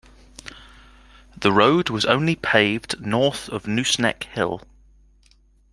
The road was only paved north of Nooseneck Hill.